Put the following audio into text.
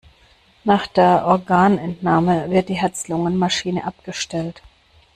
Nach der Organentnahme wird die Herz-Lungen-Maschine abgestellt.